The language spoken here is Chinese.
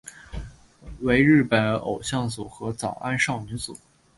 为日本偶像组合早安少女组。